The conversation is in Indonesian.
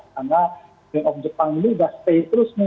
karena bank of jepang ini udah stay terus nih